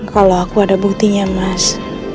kalau aku ada buktinya mas